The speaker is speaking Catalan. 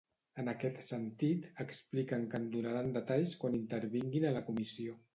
En aquest sentit, expliquen que en donaran detalls quan intervinguin a la comissió.